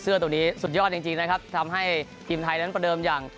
ตัวนี้สุดยอดจริงนะครับทำให้ทีมไทยนั้นประเดิมอย่าง